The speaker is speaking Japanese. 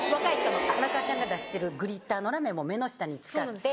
荒川ちゃんが出してるグリッターのラメも目の下に使って。